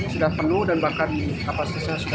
sudah penuh dan bahkan kapasitasnya sudah